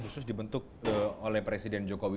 khusus dibentuk oleh presiden jokowi